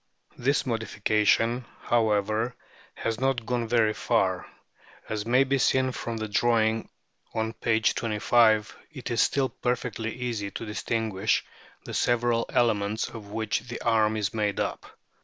This modification, however, has not gone very far. As may be seen from the drawing on p. 25, it is still perfectly easy to distinguish the several elements of which the arm is made up.